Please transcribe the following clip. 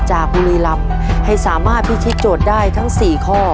บุรีรำให้สามารถพิธีโจทย์ได้ทั้ง๔ข้อ